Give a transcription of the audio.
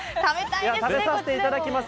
食べさせていただきます。